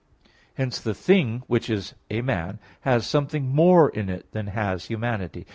Hence the thing which is a man has something more in it than has humanity.